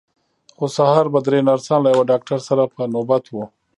خو سهار به درې نرسان له یوه ډاکټر سره په نوبت وو.